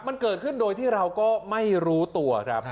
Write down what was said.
มันเกิดขึ้นโดยที่เราก็ไม่รู้ตัวครับ